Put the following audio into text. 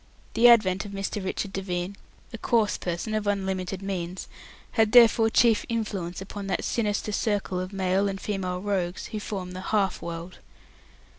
The advent of Mr. Richard Devine a coarse person of unlimited means had therefore chief influence upon that sinister circle of male and female rogues who form the "half world".